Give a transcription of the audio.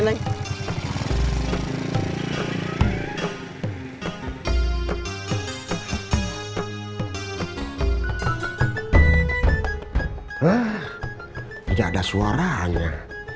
tidak ada suaranya